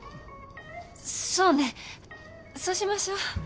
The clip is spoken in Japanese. そうねそうしましょう。